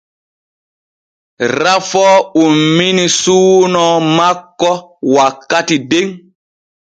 Rafoo ummini suuno makko wakkati den.